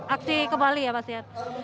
aksi kembali ya mas ya